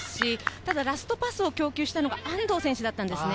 ただ、ラストパスを供給したのが安藤選手です。